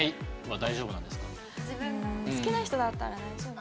好きな人だったら大丈夫。